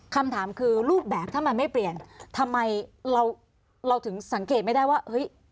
คำถามคือรูปแบบถ้ามันไม่เปลี่ยนทำไมเราถึงสังเกตไม่ได้ว่าเฮ้ย